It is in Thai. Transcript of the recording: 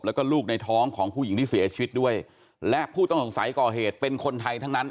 แล้วก็ลูกในท้องของผู้หญิงที่เสียชีวิตด้วยและผู้ต้องสงสัยก่อเหตุเป็นคนไทยทั้งนั้น